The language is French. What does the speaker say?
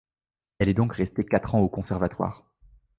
Elle est donc restée quatre ans au Conservatoire.